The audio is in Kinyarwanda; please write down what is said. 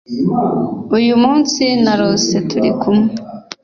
uyu munsi narose turikumwe